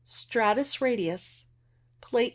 Stratus radius (Plate 42).